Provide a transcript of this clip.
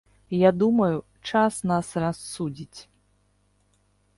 Я думаю, час нас рассудзіць.